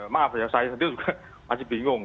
maaf ya saya sendiri juga masih bingung